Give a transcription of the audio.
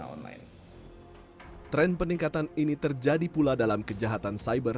oleh pengguna online